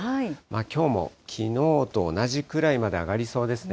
きょうもきのうと同じくらいまで上がりそうですね。